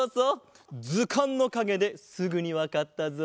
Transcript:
ずかんのかげですぐにわかったぞ。